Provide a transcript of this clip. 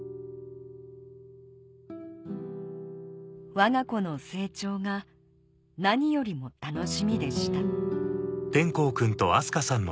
わが子の成長が何よりも楽しみでした